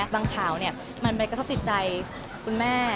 ข่าวมันไปกระทบจิตใจคุณแม่